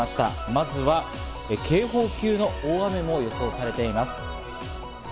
まずは警報級の大雨も予想されています。